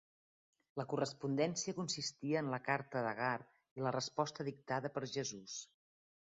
La correspondència consistia en la carta d'Agar i la resposta dictada per Jesús.